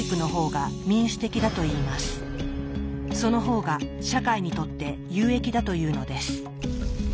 その方が社会にとって有益だというのです。